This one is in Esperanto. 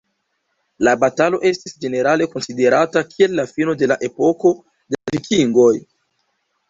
La batalo estis ĝenerale konsiderata kiel la fino de la epoko de la Vikingoj.